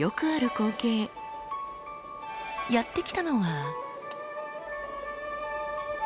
やって来たのは。